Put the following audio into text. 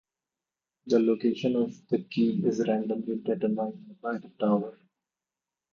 The location of the key is randomly determined by the Tower.